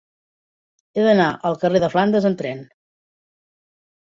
He d'anar al carrer de Flandes amb tren.